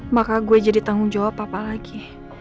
maka gue jadi tanggung jawab apa lagi